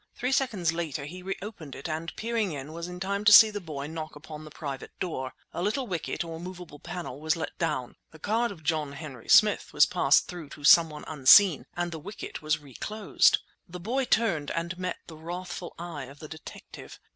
Three seconds later he reopened it, and peering in, was in time to see the boy knock upon the private door. A little wicket, or movable panel, was let down, the card of John Henry Smith was passed through to someone unseen, and the wicket was reclosed! The boy turned and met the wrathful eye of the detective.